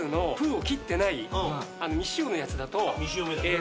え！